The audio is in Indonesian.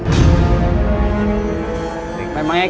soal monyet peliharaan bapak